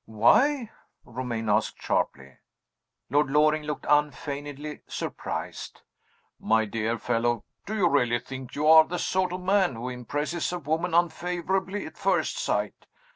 "Why?" Romayne asked, sharply. Lord Loring looked unfeignedly surprised. "My dear fellow, do you really think you are the sort of man who impresses a woman unfavorably at first sight?